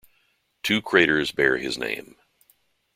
Two craters bear his name.